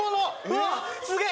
わっすげえ！